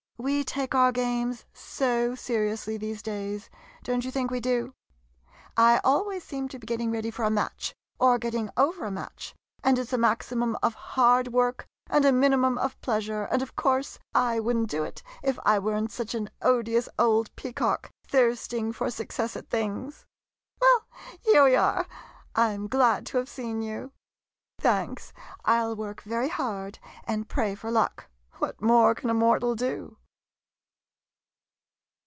We take our games so seriously these days, don't you think we do? I always seem to be getting ready for a match, or getting over a match, and it 's a maximum of hard work and a minimum of pleasure, and of course I would n't do it if I were n't such an odious old peacock, thirst ing for success at things ! Well, here we are ! I 'm glad to have seen you. Thanks, I '11 work very hard, and pray for luck. What more can mortal do?